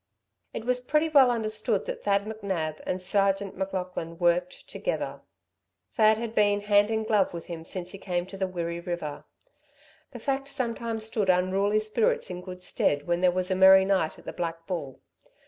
It was pretty well understood that Thad McNab and Sergeant M'Laughlin "worked" together. Thad had been hand in glove with him since he came to the Wirree River. The fact sometimes stood unruly spirits in good stead when there was a merry night at the Black Bull.